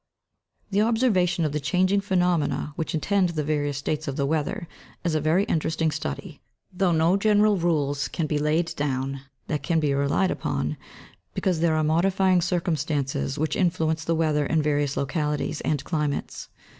The observation of the changing phenomena which attend the various states of the weather is a very interesting study, though no general rules can be laid down that can be relied upon, because there are modifying circumstances which influence the weather in various localities and climates.